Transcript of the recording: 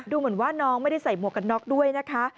ดูเหมือนว่าน้องไม่ได้ใส่หมวกกันน็อกด้วยนะคะ